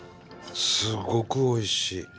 すごくおいしい。